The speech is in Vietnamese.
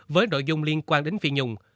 với nội dung liên quan đến phi nhung